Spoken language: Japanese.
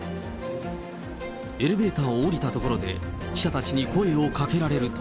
エレベーターを降りたところで、記者たちに声をかけられると。